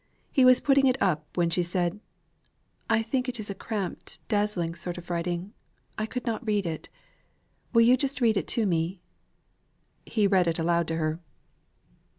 He was putting it up, when she said, "I think it is a cramped, dazzling sort of writing. I could not read it; will you just read it to me?" He read it aloud to her.